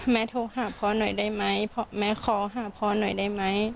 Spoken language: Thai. โทรหาพ่อหน่อยได้ไหมแม่ขอหาพ่อหน่อยได้ไหม